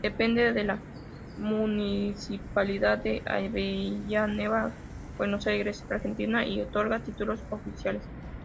Depende de la Municipalidad de Avellaneda, Buenos Aires, Argentina y otorga títulos oficiales.